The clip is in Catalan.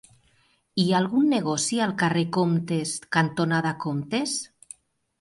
Hi ha algun negoci al carrer Comtes cantonada Comtes?